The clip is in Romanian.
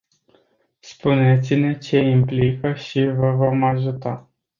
Spuneți-ne ce implică și vă vom ajuta.